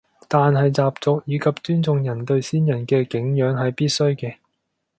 但係習俗以及尊重人對先人嘅敬仰係必須嘅